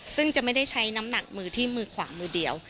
ซึ่งจะไม่ได้ใช้น้ำหนักมือที่มือขวามือเดียว